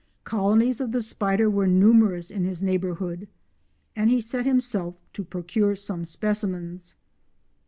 Colonies of the spider were numerous in his neighbourhood, and he set himself to procure some specimens.